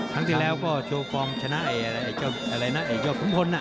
ครั้งที่แล้วก็โชว์ความชนะไอ้ยอดคุ้มพลน่ะ